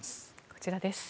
こちらです。